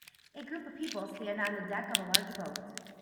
A group of people stand on the deck of a large boat.